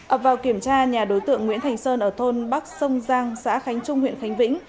ập vào kiểm tra nhà đối tượng nguyễn thành sơn ở thôn bắc sông giang xã khánh trung huyện khánh vĩnh